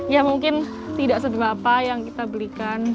ya mungkin tidak seberapa yang kita belikan